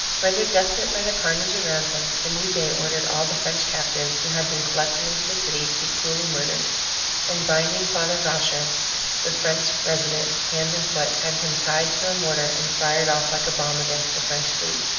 Rendered desperate by the carnage around him, the new Dey ordered all the French captives who had been collected into the city to be cruelly murdered, and binding Father Vacher, the French Resident, hand and foot, had him tied to a mortar and fired off like a bomb against the French fleet.